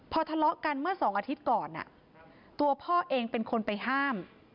พอทะเลาะกันเมื่อสองอาทิตย์ก่อนตัวพ่อเองเป็นคนไปห้าม